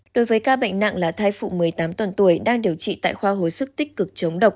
đối với ca bệnh nặng là thai phụ một mươi tám tuần tuổi đang điều trị tại khoa hồi sức tích cực chống độc